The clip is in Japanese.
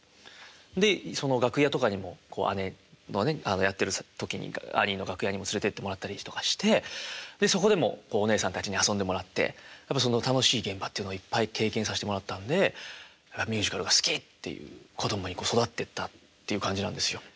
でその楽屋とかにも姉のやってる時に「アニー」の楽屋にも連れてってもらったりとかしてそこでもおねえさんたちに遊んでもらってやっぱ楽しい現場っていうのをいっぱい経験させてもらったんで「ミュージカルが好き！」っていう子供に育ってったっていう感じなんですよ。